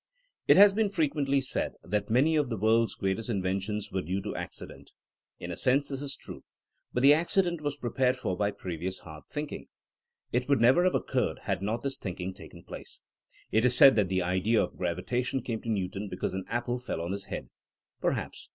It has been frequently said that many of the world's greatest inventions were due to acci dent. In a sense this is true. But the accident was prepared for by previous hard thinking. It would never have occurred had not this thinking taken place. It is said that the idea of gravitation came to Newton because an apple fell on his head. Perhaps.